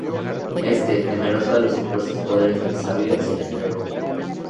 Este, temeroso de los supuestos poderes del sabio, se la entregó.